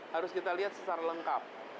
harus kita lihat secara lengkap